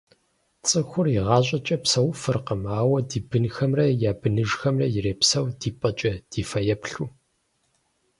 Цӏыхур игъащӏэкӏэ псэуфыркъым, ауэ ди бынхэмрэ я быныжхэмрэ ирепсэу ди пӏэкӏэ, ди фэеплъу…